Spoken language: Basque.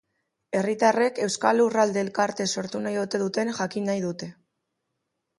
Herritarrek euskal lurralde elkarte sortu nahi ote duten jakin nahi dute.